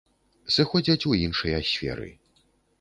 Сыходзяць у іншыя сферы.